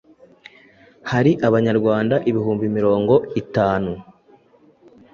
hari Abanyarwanda ibihumbi mirongo itantu